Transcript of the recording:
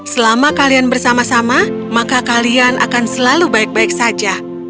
selama kalian bersama sama maka kalian akan selalu baik baik saja